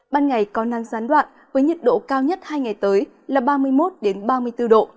ban ngày có năng gián đoạn với nhiệt độ cao nhất hai ngày tới là ba mươi một ba mươi bốn độ